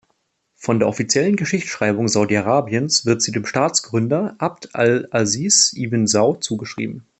Von der offiziellen Geschichtsschreibung Saudi-Arabiens wird sie dem Staatsgründer Abd al-Aziz ibn Saud zugeschrieben.